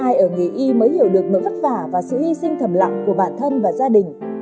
ai ở nghề y mới hiểu được nỗi vất vả và sự hy sinh thầm lặng của bản thân và gia đình